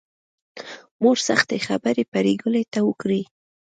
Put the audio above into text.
مور سختې خبرې پري ګلې ته وکړې